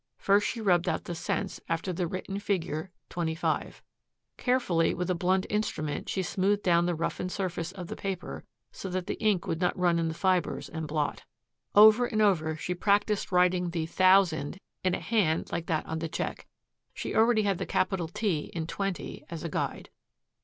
First she rubbed out the cents after the written figure "Twenty five." Carefully with a blunt instrument she smoothed down the roughened surface of the paper so that the ink would not run in the fibers and blot. Over and over she practised writing the "Thousand" in a hand like that on the check. She already had the capital "T" in "Twenty" as a guide.